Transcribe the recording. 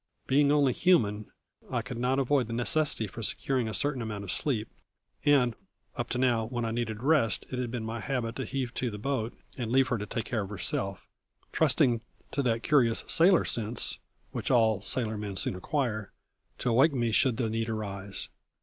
Being only human, I could not avoid the necessity for securing a certain amount of sleep, and, up to now, when I needed rest it had been my habit to heave to the boat and leave her to take care of herself, trusting to that curious sailor sense, which all sailor men soon acquire, to awake me should the need arise.